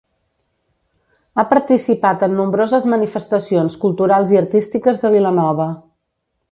Ha participat en nombroses manifestacions culturals i artístiques de Vilanova.